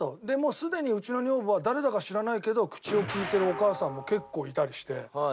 でもうすでにうちの女房は誰だか知らないけど口を利いてるお母さんも結構いたりして。